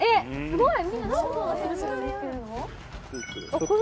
すごい。